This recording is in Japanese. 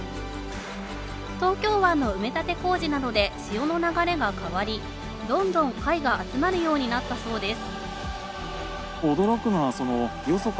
東京湾の埋め立て工事などで潮の流れが変わりどんどん貝が集まるようになったそうです。